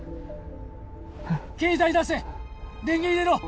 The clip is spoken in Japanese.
携帯出せ電源入れろ